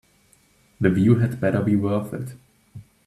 The view had better be worth it.